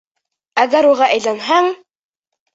Әгәр уға өйләнһәң!..